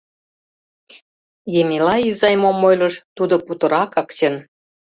— Емела изай мом ойлыш, тудо путыракак чын.